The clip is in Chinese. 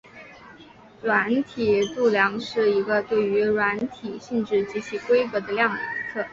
软体度量是一个对于软体性质及其规格的量测。